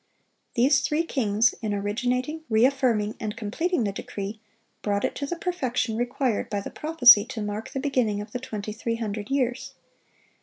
These three kings, in originating, re affirming, and completing the decree, brought it to the perfection required by the prophecy to mark the beginning of the 2300 years.